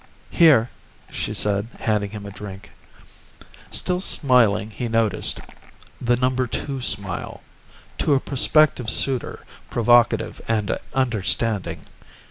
"Here," she said, handing him a drink. Still smiling, he noticed. The number two smile to a prospective suitor, provocative and understanding.